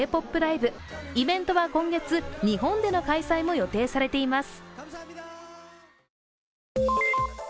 イベントは今月、日本での開催も予定されています。